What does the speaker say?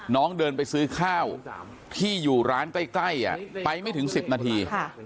น้องเดินไปซื้อข้าวที่อยู่ร้านใกล้ไปไม่ถึง๑๐นาที